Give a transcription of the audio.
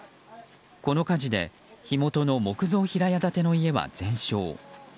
この火事で火元の木造平屋建ての家は全焼。